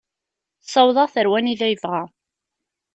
Ssawḍeɣ-t ar wanida yebɣa.